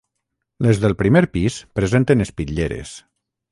Les del primer pis presenten espitlleres.